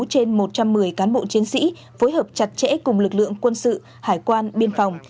trên một trăm một mươi cán bộ chiến sĩ phối hợp chặt chẽ cùng lực lượng quân sự hải quan biên phòng